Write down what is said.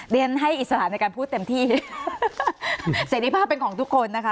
เรียนให้อิสระในการพูดเต็มที่เสรีภาพเป็นของทุกคนนะคะ